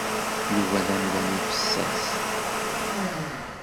Yuba d amdan afessas.